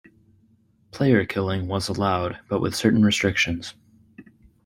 Player-killing was allowed, but with certain restrictions.